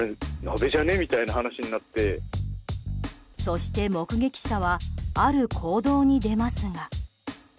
そして、目撃者はある行動に出ますが。